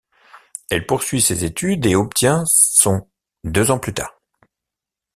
Elle poursuit ses études et obtient son deux ans plus tard.